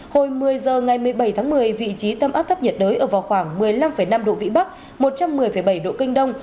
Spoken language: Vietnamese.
hồi một mươi h ngày một mươi bảy tháng một mươi vị trí tâm áp thấp nhiệt đới ở vào khoảng một mươi năm năm độ vĩ bắc một trăm một mươi bảy độ kinh đông